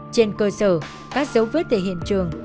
trên cơ sở các dấu vết về hiện trường